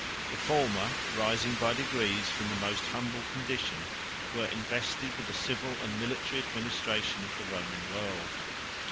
The former, rising by degrees from the most humble condition, were invested with the civil and military administration of the Roman world.